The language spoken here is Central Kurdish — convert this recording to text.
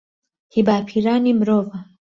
هی باپیرانی مرۆڤە